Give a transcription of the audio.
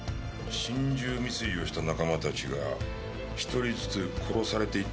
心中未遂をした仲間たちが１人ずつ殺されていってる訳か。